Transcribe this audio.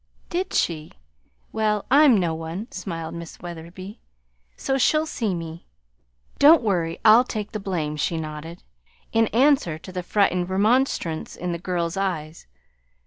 "Did she? Well, I'm no one," smiled Miss Wetherby, "so she'll see me. Don't worry I'll take the blame," she nodded, in answer to the frightened remonstrance in the girl's eyes.